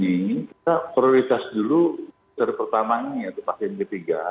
jadi pada saat ini kita prioritas dulu terpertamanya yaitu vaksin ketiga